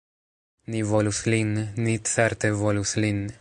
Ni volus lin, ni certe volus lin